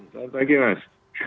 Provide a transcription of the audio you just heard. selamat pagi mas